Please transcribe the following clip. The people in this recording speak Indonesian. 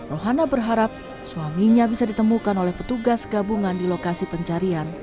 rohana berharap suaminya bisa ditemukan oleh petugas gabungan di lokasi pencarian